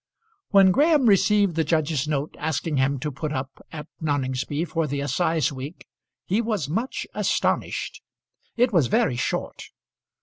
When Graham received the judge's note asking him to put up at Noningsby for the assize week, he was much astonished. It was very short.